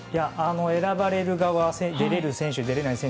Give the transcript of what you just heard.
選ばれる側出れる選手、出れない選手